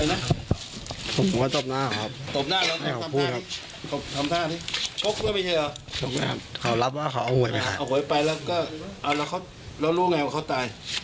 เอาหวยไปแล้วก็เอาแล้วเขาแล้วรู้ไงว่าเขาตาย